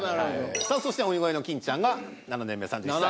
さあそして鬼越の金ちゃんが７年目３１歳。